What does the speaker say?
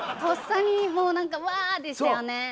とっさにもう何かうわでしたよね。